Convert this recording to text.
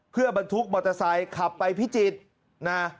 เพื่อบรรทุกมอเตอร์ไซค์ขับไปพิจิตรนะ